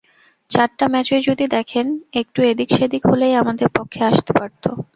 চারটা ম্যাচই যদি দেখেন, একটু এদিক-সেদিক হলেই আমাদের পক্ষে আসতে পারত।